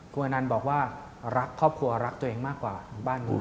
คุณอนันต์บอกว่ารักครอบครัวรักตัวเองมากกว่าบ้านเมือง